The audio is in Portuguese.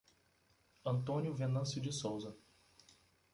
Antônio Venancio de Souza